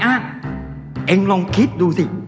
แบบนี้ก็ได้